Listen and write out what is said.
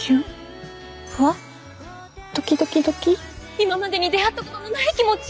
「今までに出会ったことのない気持ち」。